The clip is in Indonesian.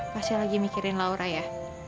pasti lagi mikirin laura ya